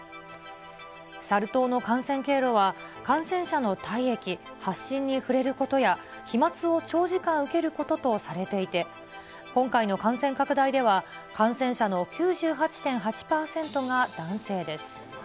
サル痘の感染経路は、感染者の体液、発疹に触れることや、飛まつを長時間受けることとされていて、今回の感染拡大では、感染者の９８．８％が男性です。